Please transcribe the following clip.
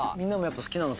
好きなの？